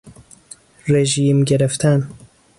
رژیم گرفتن